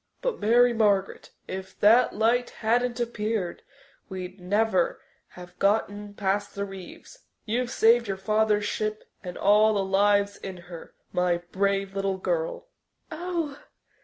But, Mary Margaret, if that light hadn't appeared, we'd never have got in past the reefs. You've saved your father's ship and all the lives in her, my brave little girl." "Oh!"